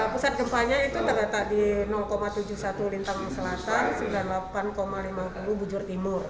pusat gempanya itu terletak di tujuh puluh satu lintang selatan sembilan puluh delapan lima puluh bujur timur